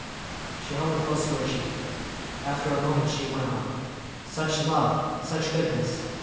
She held it close to her cheek. After a moment she went on. "Such love, such goodness!